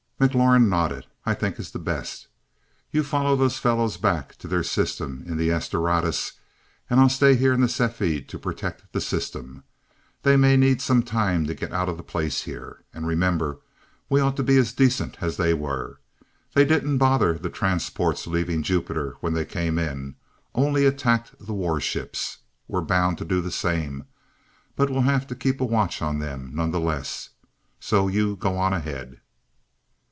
McLaurin nodded. "I think it's best. You follow those fellows back to their system in the 'S Doradus' and I'll stay here in the 'Cepheid' to protect the system. They may need some time to get out of the place here. And remember, we ought to be as decent as they were. They didn't bother the transports leaving Jupiter when they came in, only attacked the warships. We're bound to do the same, but we'll have to keep a watch on them, nonetheless. So you go on ahead."